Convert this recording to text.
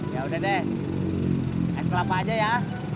ya udah deh es kelapa aja ya